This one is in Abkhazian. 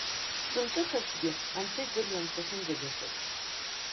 Сымҿыхазҭгьы, анцәа идыррын сахьынӡагашаз.